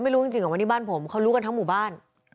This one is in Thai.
ไม่รู้จริงวันนี้บ้านผมเขารู้กันทั้งหมู่บ้าน